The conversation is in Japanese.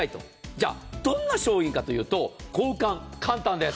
じゃあ、どんな商品かというと、交換、簡単です。